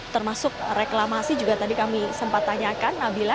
termasuk reklamasi juga tadi kami sempat tanyakan nabila